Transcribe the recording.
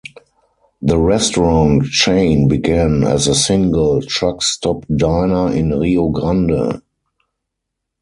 The restaurant chain began as a single truck stop diner in Rio Grande.